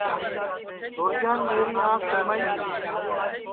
چھورین میری آنکھ جیمائی دؔی